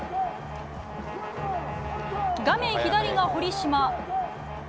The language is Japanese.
画面左が堀島。